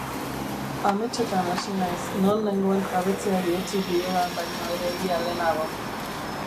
Ametsetan hasi naiz, non nengoen jabetzeari utzi diodan baino ere ia lehenago.